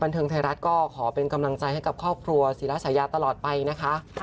เทิงไทยรัฐก็ขอเป็นกำลังใจให้กับครอบครัวศิราชายาตลอดไปนะคะ